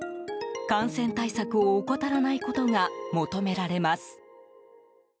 感染対策を怠らないことが求められます。